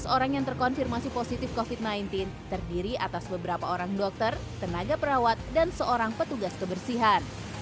sebelas orang yang terkonfirmasi positif covid sembilan belas terdiri atas beberapa orang dokter tenaga perawat dan seorang petugas kebersihan